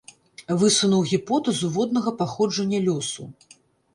Высунуў гіпотэзу воднага паходжання лёсу.